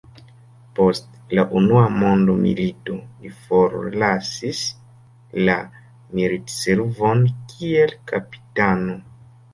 Post la Unua Mondmilito li forlasis la militservon kiel kapitano.